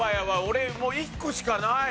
俺１個しかない。